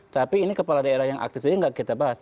tapi ini kepala daerah yang aktif saja nggak kita bahas